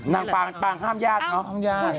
นางปากห้ามญาติน้องของอย่าง